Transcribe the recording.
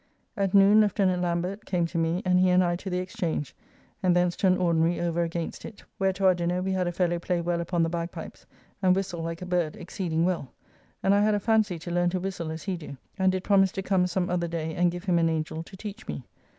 At noon Lieutenant Lambert came to me, and he and I to the Exchange, and thence to an ordinary over against it, where to our dinner we had a fellow play well upon the bagpipes and whistle like a bird exceeding well, and I had a fancy to learn to whistle as he do, and did promise to come some other day and give him an angell to teach me.